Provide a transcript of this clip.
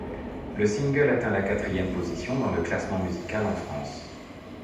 Le single atteint la quatrième position dans le classement musical en France.